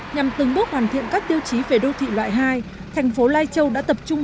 nhằm từng bước hoàn thiện các tiêu chí về đô thị loại hai thành phố lai châu đã tập trung